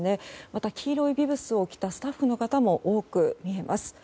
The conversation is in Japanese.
また、黄色いビブスを着たスタッフの方も多く見えます。